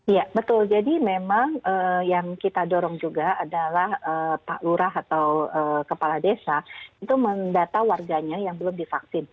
iya betul jadi memang yang kita dorong juga adalah pak lurah atau kepala desa itu mendata warganya yang belum divaksin